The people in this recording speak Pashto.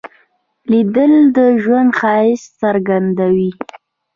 لیدل د ژوند ښایست څرګندوي